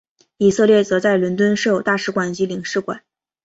以色列则在伦敦设有大使馆及领事馆。